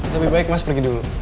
lebih baik mas pergi dulu